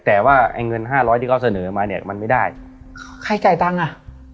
แต่ว่าไอ้เงินห้าร้อยที่เขาเสนอมาเนี้ยมันไม่ได้ใครจ่ายตังค์อ่ะ